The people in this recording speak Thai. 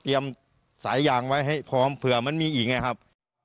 สายยางไว้ให้พร้อมเผื่อมันมีอีกไงครับ